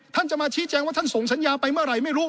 ท่านจะมาชี้แจงว่าท่านส่งสัญญาไปเมื่อไหร่ไม่รู้